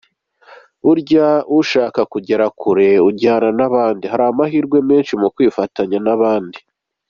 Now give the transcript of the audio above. Burya ushaka kugera kure ujyana n’abandi, hari amahirwe menshi mu kwifatanya n’abandi.